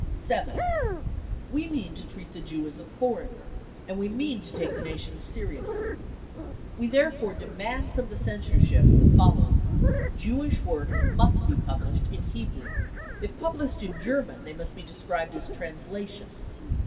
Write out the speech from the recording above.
7. We mean to treat the Jew as a foreigner, and we mean to take Hie nation seriously. We therefore demand from the censorship the following : Jewish works must be published in Hebrew. If published in German, they fhust be described as translations.